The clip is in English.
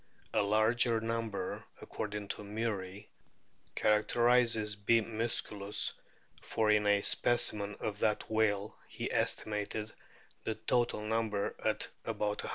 A larger number, according to Murie, characterises B. muscuhis, for in a specimen of that whale he estimated the total number at about 100.